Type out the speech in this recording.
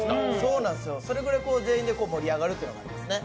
それぐらい全員で盛り上がるというのがありますね。